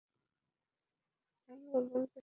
এমন ভাবে বলতেসো, যেনো পারিবারিক সম্পত্তি হারাইসো।